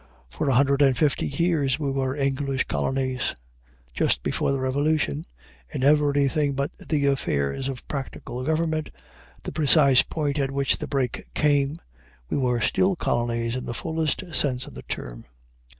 For a hundred and fifty years we were English colonies. Just before the revolution, in everything but the affairs of practical government, the precise point at which the break came, we were still colonies in the fullest sense of the term.